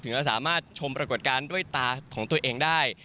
เราสามารถชมปรากฏการณ์ด้วยตาของตัวเองได้